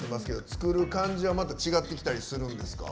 作る感じはまた違ってきたりするんですか？